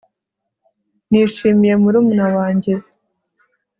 nishimiye murumuna wanjye